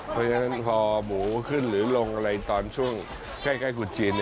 เพราะฉะนั้นพอหมูขึ้นหรือลงอะไรตอนช่วงใกล้ขุดจีน